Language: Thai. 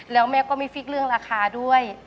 แล้วแม่ก็ไม่ฟิกเรื่องราคาด้วย